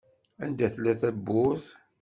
Anda tella tewwurt?